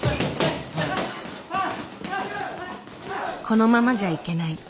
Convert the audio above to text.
「このままじゃいけない」。